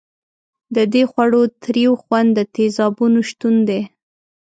د دې خوړو تریو خوند د تیزابونو شتون دی.